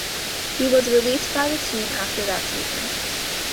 He was released by the team after that season.